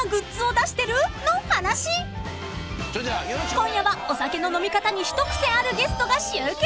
［今夜はお酒の飲み方に一癖あるゲストが集結］